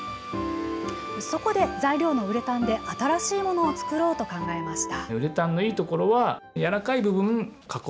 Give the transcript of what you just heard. そこで、材料のウレタンで新しいものを作ろうと考えました。